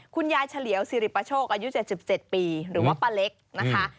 คุณยายเฉลียวสิริปโชคอายุ๗๗ปีหรือว่าป้าเล็กนะคะ